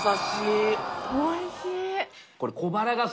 おいしい！